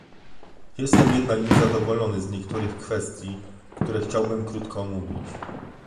Jestem jednak niezadowolony z niektórych kwestii, które chciałbym krótko omówić